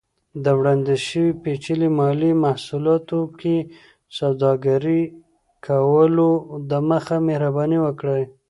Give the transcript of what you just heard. د وړاندیز شوي پیچلي مالي محصولاتو کې سوداګرۍ کولو دمخه، مهرباني وکړئ